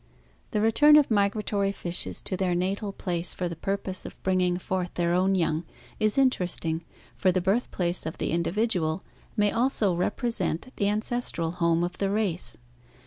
— The return of migratory fishes to their natal place for the purpose of bringing forth their own young is interest ing, for the birthplace of the individual may also represent the an cestral home of the race.